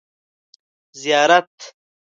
زیارت